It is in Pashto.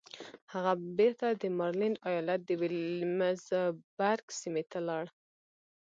هغه بېرته د ماريلنډ ايالت د ويلمزبرګ سيمې ته لاړ.